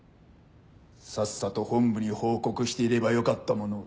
さっさと本部に報告していればよかったものを。